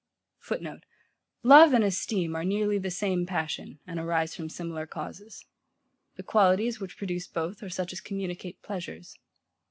[Footnote: Love and esteem are nearly the same passion, and arise from similar causes. The qualities, which produce both, are such as communicate pleasures.